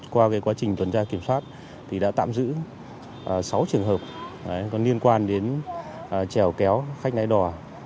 qua quá trình tuần tra kiểm soát đã tạm giữ sáu trường hợp liên quan đến treo kéo khách nãy đò